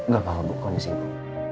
gak apa apa bu kau disini